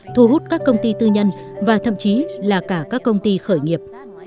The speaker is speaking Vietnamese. thu hút các công ty tư nhân và thậm chí là cả các công ty khởi nghiệp